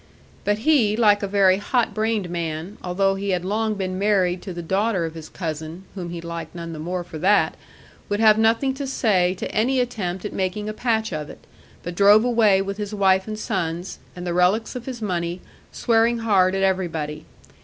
But he, like a very hot brained man, although he had long been married to the daughter of his cousin (whom he liked none the more for that), would have nothing to say to any attempt at making a patch of it, but drove away with his wife and sons, and the relics of his money, swearing hard at everybody.